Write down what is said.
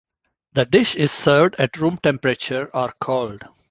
The dish is served at room temperature or cold.